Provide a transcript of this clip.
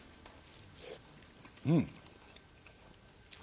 うん！